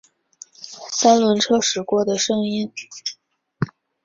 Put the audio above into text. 三轮车驶过的声音